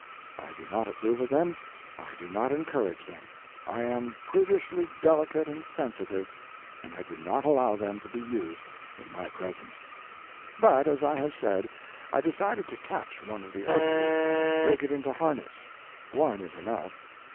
I do not approve of them, I do not encourage them; I am prudishly delicate and sensitive, and I do not allow them to be used in my presence. But, as I have said, I decided to catch one of the others and break it into harness. One is enough.